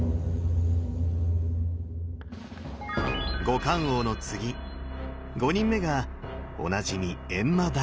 五官王の次５人目がおなじみ閻魔大王です。